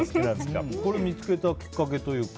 これ見つけたきっかけは？